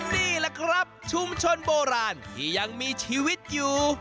นี่แหละครับชุมชนโบราณที่ยังมีชีวิตอยู่